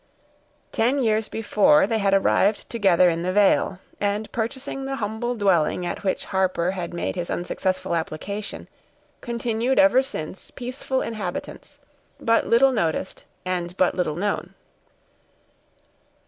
Ten years before, they had arrived together in the vale, and, purchasing the humble dwelling at which Harper had made his unsuccessful application, continued ever since peaceful inhabitants, but little noticed and but little known.